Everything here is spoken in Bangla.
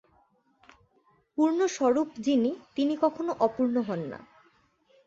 পূর্ণস্বরূপ যিনি, তিনি কখনও অপূর্ণ হন না।